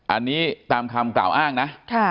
อันนี้ตามคำกล่าวอ้างนะ